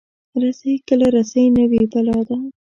رسۍ کله رسۍ نه وي، بلا ده.